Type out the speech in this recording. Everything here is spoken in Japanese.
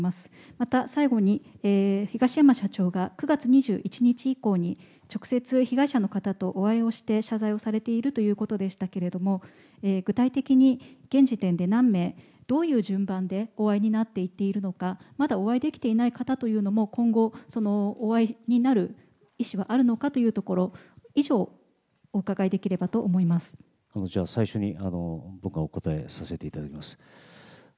また、最後に、東山社長が９月２１日以降に、直接被害者の方とお会いをして、謝罪をされているということでしたけれども、具体的に現時点で何名、どういう順番でお会いになっていっているのか、まだお会いできていない方というのも、今後、お会いになる意志はあるのかというところ、以上、じゃあ最初に、僕がお答えさせていただきます。